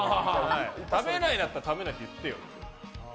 食べないんだったら食べないって言ってよって。